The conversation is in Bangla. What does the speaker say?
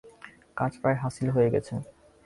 কাজ প্রায় হাসিল হয়ে গেছে।